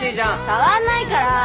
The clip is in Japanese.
変わんないから！